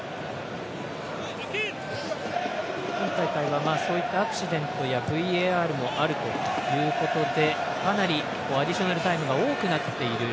今大会はそういったアクシデントやＶＡＲもあるということでかなりアディショナルタイムが多くなっている